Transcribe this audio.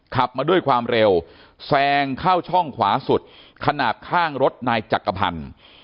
ขับมาด้วยความเร็วแซงเข้าช่องขวาสุดขนาดข้างรถนายจักรพันธ์